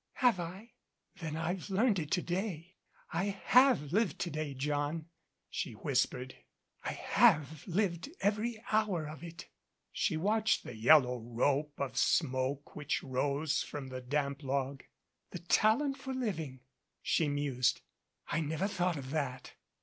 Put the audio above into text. "Have I? Then I've learned it to day. I have lived to day, John," she whispered. "I have lived every hour of it." She watched the yellow rope of smoke which rose from the damp log. "The talent for living!" she mused. "I never thought of that."